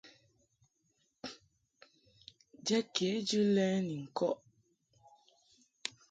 Jɛd kejɨ lɛ ni ŋkɔʼ .